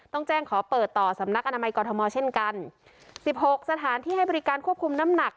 ต้องแจ้งขอเปิดต่อสำนักอนามัยกรทมเช่นกันสิบหกสถานที่ให้บริการควบคุมน้ำหนัก